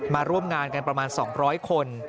มาร่วมงานกันประมาณ๒๐๐คน